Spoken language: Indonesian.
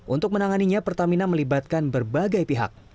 untuk menanganinya pertamina melibatkan berbagai pihak